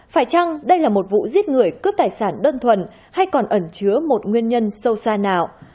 phải chăng đây là một vụ giết người cướp tài sản đơn thuần hay còn ẩn chứa một nguyên nhân sâu xa nào